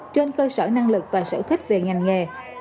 trên cơ sở năng lực và sở thích về ngành nghề